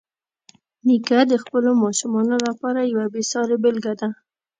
نیکه د خپلو ماشومانو لپاره یوه بېسارې بېلګه ده.